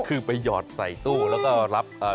คือไปหยอดใส่ตู้แล้วก็รับ